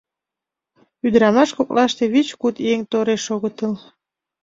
Ӱдырамаш коклаштат вич-куд еҥ тореш огытыл.